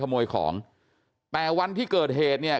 ขโมยของแต่วันที่เกิดเหตุเนี่ย